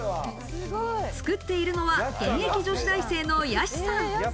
作っているのは現役女子大生のヤシさん。